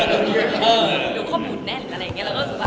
เดี๋ยวข้อมูลแน่นอะไรอย่างเงี้ย